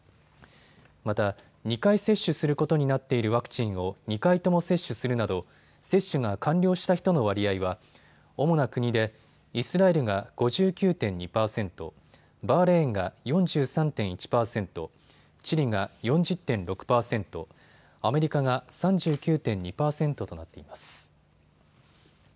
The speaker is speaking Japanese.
また２回接種することになっているワクチンを２回とも接種するなど接種が完了した人の割合は主な国でイスラエルが５９．２％、バーレーンが４３．１％、チリが４０．６％、アメリカが３９．２％となっています。